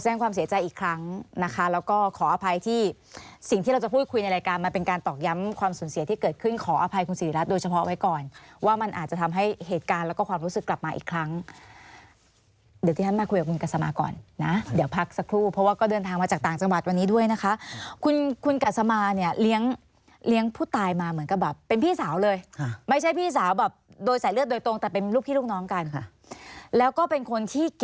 ขอแสรงความเสียใจอีกครั้งนะคะแล้วก็ขออภัยที่สิ่งที่เราจะพูดคุยในรายการมันเป็นการตอกย้ำความสนเสียที่เกิดขึ้นขออภัยคุณศรีรัฐโดยเฉพาะไว้ก่อนว่ามันอาจจะทำให้เหตุการณ์แล้วก็ความรู้สึกกลับมาอีกครั้งเดี๋ยวที่ท่านมาคุยกับคุณกัษมาก่อนนะเดี๋ยวพักสักครู่เพราะว่าก็เดินทางมาจากต่